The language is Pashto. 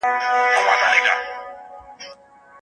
دی په خپلو زړو جامو کې ډېر د وقار خاوند و.